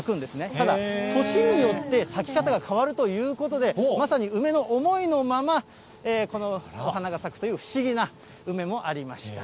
ただ、年によって咲き方が変わるということで、まさに梅の思いのまま、このお花が咲くという不思議な梅もありました。